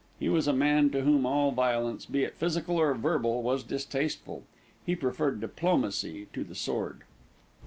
He was a man to whom all violence, be it physical or verbal, was distasteful. He preferred diplomacy to the sword.